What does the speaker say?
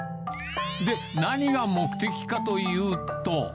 で、何が目的かというと。